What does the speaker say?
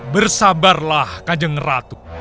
bersabarlah kajeng ratu